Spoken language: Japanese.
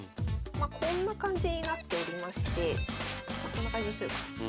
こんな感じになっておりましてこんな感じにすれば。